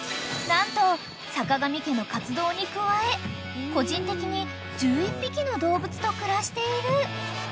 ［何と坂上家の活動に加え個人的に１１匹の動物と暮らしている］